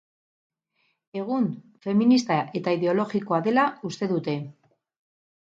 Egun feminista eta ideologikoa dela uste dute.